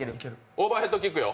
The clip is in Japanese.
オーバーヘッドキックよ。